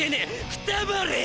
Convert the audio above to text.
くたばれ！